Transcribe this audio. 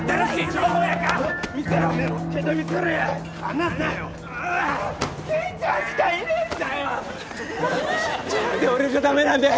何で俺じゃダメなんだよ。